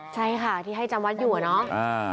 ใช่ค่ะที่ให้จำวัดอยู่อะเนาะ